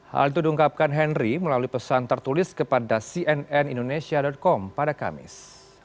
hal itu diungkapkan henry melalui pesan tertulis kepada cnn indonesia com pada kamis